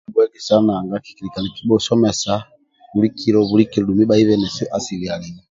Kikibhuegesa nanga kikilika nikibhusomesa buli kilo bulikilo andulu bhaibe nesi asili aliku